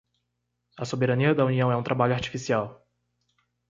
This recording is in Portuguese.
A soberania da União é um trabalho artificial.